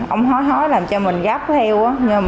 ông hói hói làm cho mình gáp theo